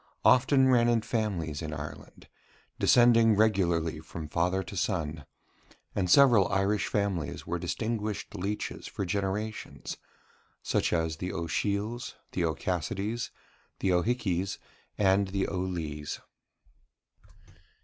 often ran in families in Ireland, descending regularly from father to son; and several Irish families were distinguished leeches for generations, such as the O'Shiels, the O'Cassidys, the O'Hickeys, and the O'Lees.